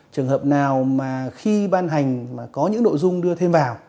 trường hợp nào mà khi ban hành mà có những nội dung đưa thêm vào